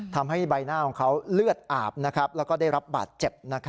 ทำให้ใบหน้าของเขาเลือดอาบแล้วก็ได้รับบาดเจ็บ